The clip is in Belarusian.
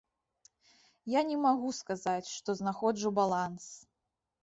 Я не магу сказаць, што знаходжу баланс.